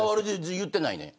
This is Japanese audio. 言っていないね。